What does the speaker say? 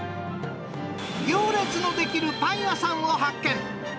行列のできるパン屋さんを発見。